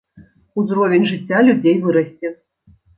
Узровень жыцця людзей вырасце.